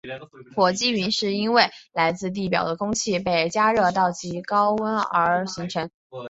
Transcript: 火积云是因为来自地表的空气被加热到极高温而形成。